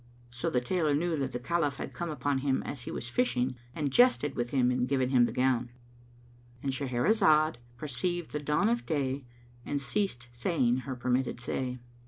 So the tailor knew that the Caliph had come upon him as he was fishing and jested with him and given him the gown;—And Shahrazad perceived the dawn of day and ceased saying her permitted say.